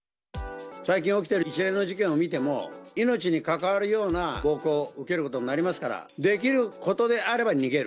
最近起きてる一連の事件を見ても、命にかかわるような暴行を受けることになりますから、できることであれば逃げる。